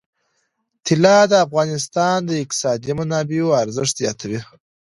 طلا د افغانستان د اقتصادي منابعو ارزښت زیاتوي.